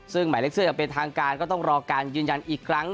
ซึ่งหมายเล็ก๑๐จะเป็นทางการก็ต้องรอการยืนยันอีกครั้ง